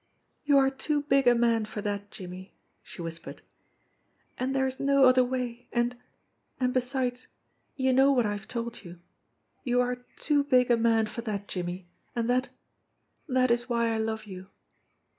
"You are too big a man for that, Jimmie," she whispered. "And there is no other way, and and, besides, you know what I have told you. You are too big a man for that, Jim mie, and that that is why I love you."